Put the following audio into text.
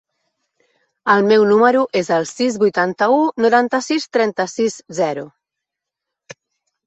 El meu número es el sis, vuitanta-u, noranta-sis, trenta-sis, zero.